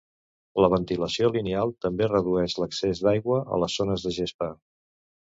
La ventilació lineal també redueix l'excés d'aigua a les zones de gespa.